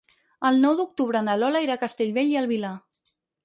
El nou d'octubre na Lola irà a Castellbell i el Vilar.